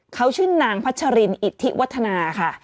เขาชื่อนางพัชรินอิทธิวัฒนาค่ะ